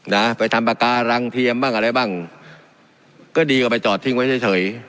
นะไปทำปากการังเทียมบ้างอะไรบ้างก็ดีกว่าไปจอดทิ้งไว้เฉยเฉย